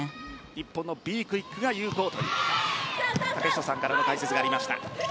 日本のＢクイックが有効という竹下さんからの解説がありました。